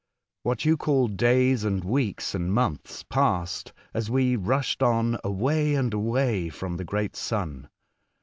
What you call days and weeks and months passed as we rushed on away and away from the great Sun.